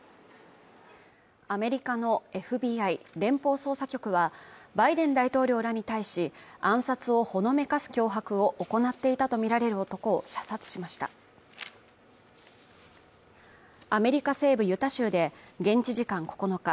アメリカのＦＢＩ＝連邦捜査局はバイデン大統領らに対し暗殺をほのめかす脅迫を行っていたとみられる男を射殺しましたアメリカ西部ユタ州で現地時間９日